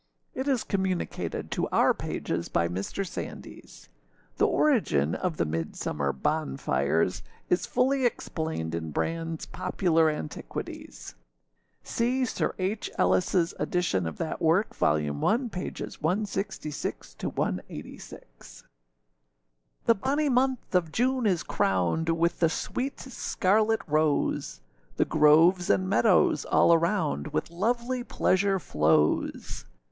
It is communicated to our pages by Mr. Sandys. The origin of the Midsummer bonfires is fully explained in Brandâs Popular Antiquities. See Sir H. Ellisâs edition of that work, vol. i. pp. 166â186.] THE bonny month of June is crowned With the sweet scarlet rose; The groves and meadows all around With lovely pleasure flows.